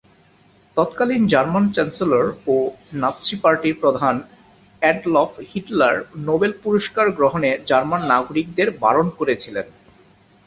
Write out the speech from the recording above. তৎকালীন German chancellor ও Nazi পার্টির প্রধান অ্যাডলফ হিটলার নোবেল পুরস্কার গ্রহণে জার্মান নাগরিকদের বারণ করেছিলেন।